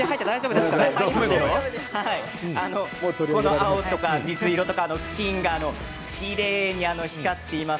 青とか水色とかきれいに光っています。